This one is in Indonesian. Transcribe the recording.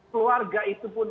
keluarga itu pun